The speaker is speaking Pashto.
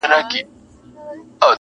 قافیلې د ستورو وتړه سالاره,